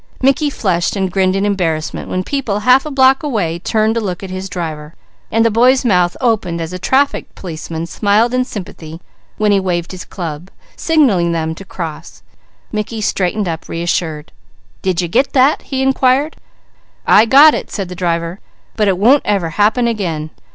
Mickey flushed and grinned in embarrassment when people half a block away turned to look at his driver, and the boy's mouth opened as a traffic policeman smiled in sympathy when he waved his club, signalling them to cross. Mickey straightened up reassured. "Did you get that?" he inquired. "I got it!" said the driver. "But it won't ever happen again.